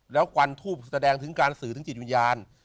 แล้วควันทูบแสดงถึงการสื่อถึงจิตวิญญาณ